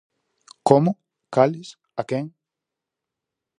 Como, cales, a quen?